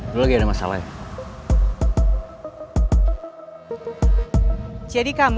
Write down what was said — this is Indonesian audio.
kan lo yang menjijikkan